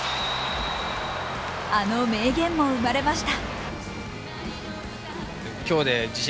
あの名言も生まれました。